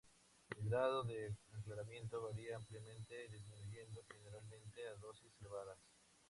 El grado de aclaramiento varía ampliamente, disminuyendo generalmente a dosis elevadas.